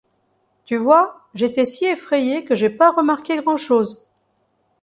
Tu vois : j’étais si effrayé que j’ai pas remarqué grand-chose…